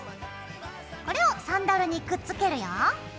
これをサンダルにくっつけるよ。